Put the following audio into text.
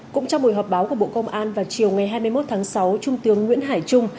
cũng trong buổi họp báo của bộ công an vào chiều ngày hai mươi một tháng sáu trung tướng nguyễn hải trung